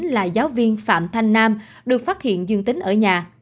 là giáo viên phạm thanh nam được phát hiện dương tính ở nhà